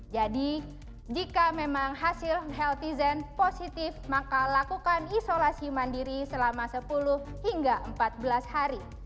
jadi jika memang hasil healthy gen positif maka lakukan isolasi mandiri selama sepuluh hingga empat belas hari